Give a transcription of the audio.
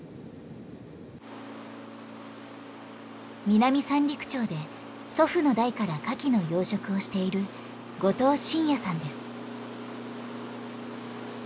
南三陸町で祖父の代からカキの養殖をしている後藤伸弥さんです。